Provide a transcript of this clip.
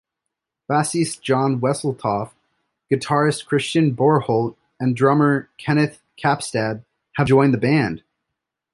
Bassist Jon Wesseltoft, guitarist Christian Broholt, and drummer Kenneth Kapstad have joined the band.